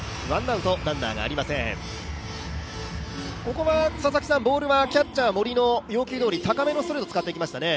ここはボールはキャッチャー・森の要求通り高めのストレート使ってきましたね。